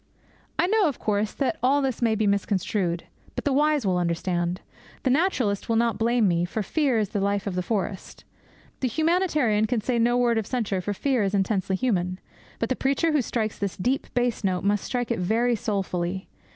I know, of course, that all this may be misconstrued. But the wise will understand. The naturalist will not blame me, for fear is the life of the forest. The humanitarian can say no word of censure, for fear is intensely human. But the preacher who strikes this deep bass note must strike it very soulfully.